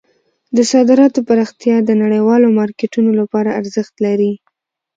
د صادراتو پراختیا د نړیوالو مارکیټونو لپاره ارزښت لري.